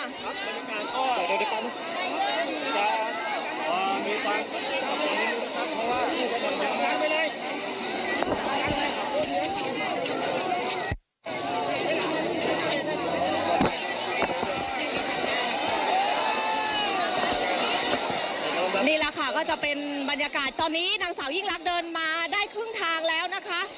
นี่แหละค่ะก็จะเป็นบรรยากาศตอนนี้นางสาวยิ่งรักเดินมาได้ครึ่งทางแล้วนะคะ